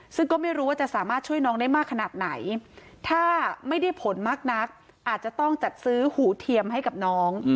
ซึ่งก็ไม่รู้ว่าจะสามารถช่วยน้องได้มากขนาดไหนถ้าไม่ได้ผลมากนักอาจจะต้องจัดซื้อหูเทียมให้กับน้อง